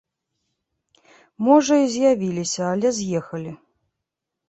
Можа, і з'явіліся, але з'ехалі.